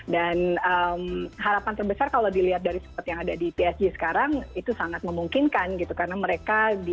dan harapan terbesar kalau dilihat dari seperti yang ada di psg sekarang itu sangat memungkinkan gitu karena mereka di